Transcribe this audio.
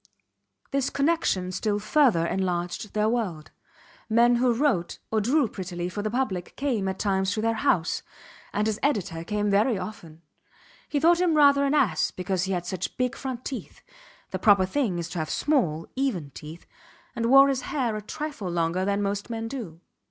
This connection still further enlarged their world. Men who wrote or drew prettily for the public came at times to their house, and his editor came very often. He thought him rather an ass because he had such big front teeth (the proper thing is to have small, even teeth) and wore his hair a trifle longer than most men do.